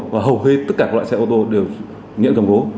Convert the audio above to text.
và hầu hết tất cả các loại xe ô tô đều nhận cầm cố